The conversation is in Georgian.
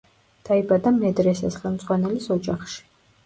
დაიბადა მედრესეს ხელმძღვანელის ოჯახში.